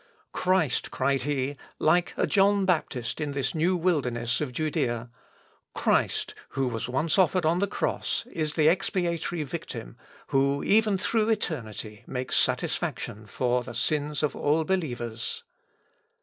"Christ," cried he, like a John Baptist in this new wilderness of Judea, "Christ, who was once offered on the cross, is the expiatory victim, who, even through eternity, makes satisfaction for the sins of all believers."